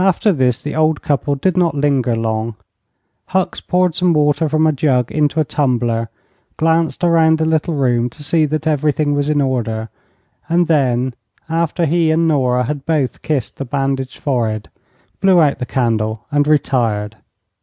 After this the old couple did not linger long. Hucks poured some water from a jug into a tumbler, glanced around the little room to see that everything was in order, and then after he and Nora had both kissed the bandaged forehead blew out the candle and retired.